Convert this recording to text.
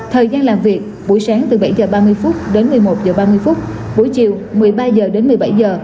thời gian làm việc buổi sáng từ bảy h ba mươi phút đến một mươi một h ba mươi phút buổi chiều một mươi ba h đến một mươi bảy h